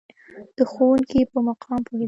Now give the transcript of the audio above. د ښوونکي په مقام پوهېدل.